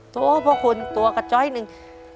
โต๊ะพ่อคุณตัวกับจ้อยอีกหนึ่ง